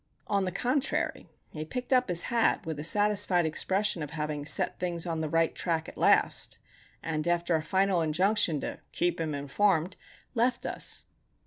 On the contrary, he picked up his hat with a satisfied expression of having set things on the right track, at last, and after a final injunction "to keep him informed," left us.